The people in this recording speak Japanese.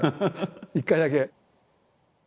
１回だけ。